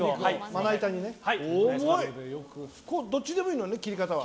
どっちでもいいのね、切り方は。